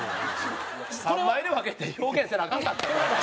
３枚で分けて表現せなアカンかった？